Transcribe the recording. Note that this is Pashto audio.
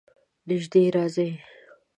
نژدې راځئ